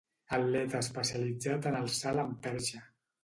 Atleta especialitzat en el salt amb perxa.